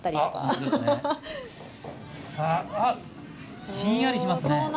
さああっひんやりしますね。